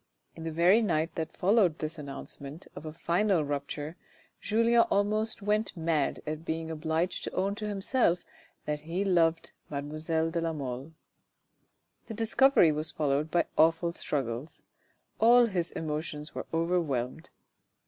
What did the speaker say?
In the very night that followed this announcement of a final rupture, Julien almost went mad at being obliged to own to himself that he loved mademoiselle de la Mole. This discovery was followed by awful struggles : all his emotions were overwhelmed.